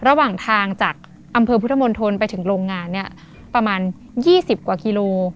ระหว่างทางจากอำเภอพุทธมณฑลไปถึงโรงงานเนี่ยประมาณ๒๐กว่ากิโล